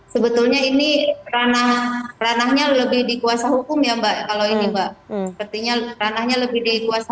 sebetulnya ini karena ranahnya lebih dikuasa hukum ya mbak kalau ini mbak sepertinya lebih dikuasa